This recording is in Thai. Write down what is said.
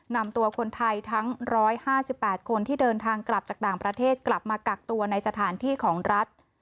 นำตัวคนไทยทั้ง๑๕๘คนที่เดินทางกลับจากต่างประเทศกลับมากักตัวในสถานที่ของรัฐ